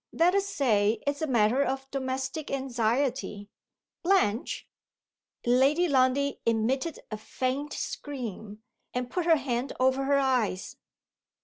"Let us say it's a matter of domestic anxiety. Blanche " Lady Lundie emitted a faint scream, and put her hand over her eyes.